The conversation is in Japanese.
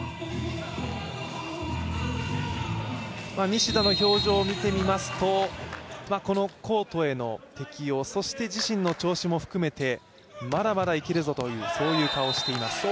西田の表情を見てみますとこのコートへの適応そして自身の調子も含めてまだまだいけるぞというそういう顔をしています。